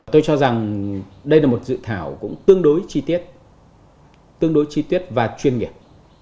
tôi cho rằng đây là một dự thảo cũng tương đối chi tiết tương đối chi tiết và chuyên nghiệp